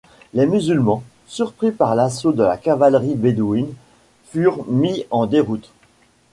Les musulmans, surpris par l'assaut de la cavalerie bédouine, furent mis en déroute.